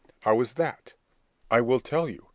"How is that?" "I will tell you!